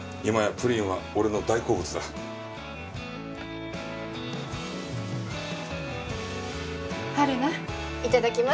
今やプリンは俺の大好物だ。